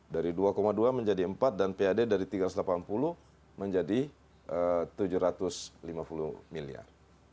dari dua dua menjadi empat dan pad dari tiga ratus delapan puluh menjadi tujuh ratus lima puluh miliar